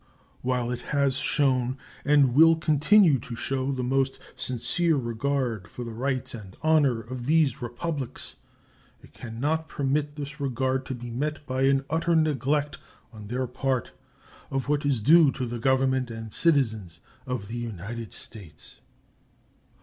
While it has shown, and will continue to show, the most sincere regard for the rights and honor of these Republics, it can not permit this regard to be met by an utter neglect on their part of what is due to the Government and citizens of the United States.